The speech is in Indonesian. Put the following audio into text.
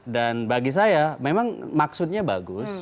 bagi saya memang maksudnya bagus